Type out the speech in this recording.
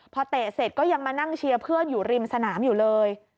พอเตะเสร็จก็ยังมานั่งเชียร์เพื่อนอยู่ริมสนามอยู่เลย